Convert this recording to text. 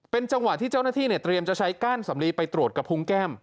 จังหวะที่เจ้าหน้าที่เตรียมจะใช้ก้านสำลีไปตรวจกระพุงแก้ม